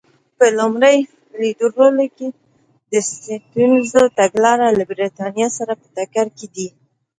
په لومړي لیدلوري کې د سټیونز تګلاره له برېټانیا سره په ټکر کې ده.